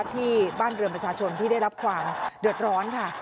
ที่บ้านเรือนประชาชนที่ได้รับความเดือดร้อนค่ะ